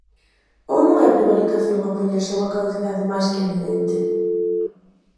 ¿Ou non é prevaricación opoñerse a unha caducidade máis que evidente?